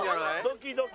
ドキドキ。